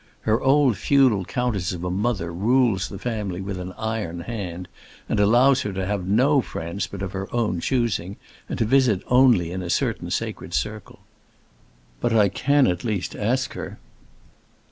Her old feudal countess of a mother rules the family with an iron hand, and allows her to have no friends but of her own choosing, and to visit only in a certain sacred circle. But I can at least ask her."